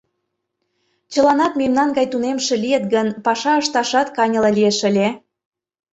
Чыланат мемнан гай тунемше лийыт гын, паша ышташат каньыле лиеш ыле...